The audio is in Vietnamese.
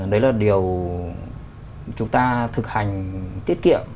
đấy là điều chúng ta thực hành tiết kiệm